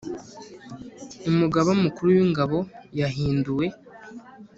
Umugaba Mukuru wingabo yahinduwe